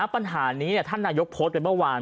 ปัญหานี้ท่านนายกโพสต์ไปเมื่อวาน